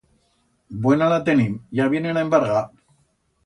Buena la tenim, ya vienen a embargar.